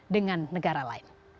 dengan negara lain